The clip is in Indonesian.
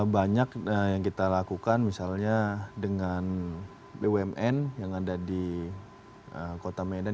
banyak yang kita lakukan misalnya dengan bumn yang ada di kota medan